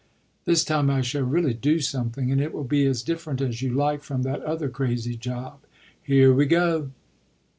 This time I shall really do something, and it will be as different as you like from that other crazy job. Here we go!"